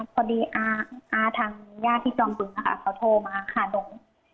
พอดีอาทางย่าที่จอมปืนเขาโทรมาค่ะนุ้ง